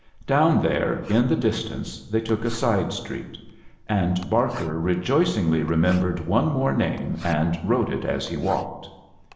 Down there in the distance they took a side street, and Barker re> joicingly remembered one more name and wrote it as he walked.